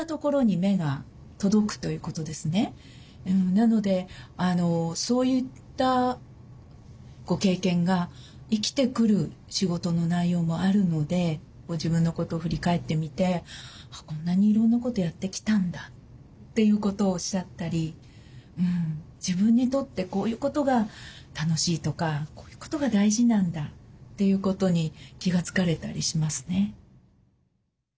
なのでそういったご経験が生きてくる仕事の内容もあるのでご自分のことを振り返ってみてこんなにいろんなことやってきたんだということをおっしゃったり自分にとってこういうことが楽しいとかこういうことが大事なんだということに気が付かれたりしますね。